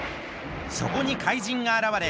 そこに怪人があらわれ